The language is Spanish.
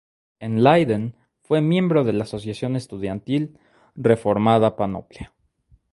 En Leiden, fue miembro de la asociación estudiantil Reformada Panoplia.